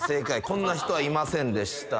こんな人はいませんでした。